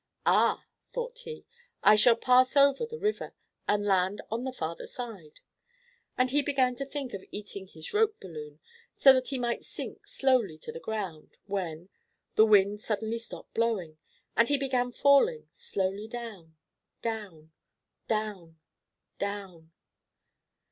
"Ah," thought he, "I shall pass over the river, and land on the farther side," and he began to think of eating his rope balloon, so that he might sink slowly to the ground, when the wind suddenly stopped blowing, and he began falling slowly down, down, down, down.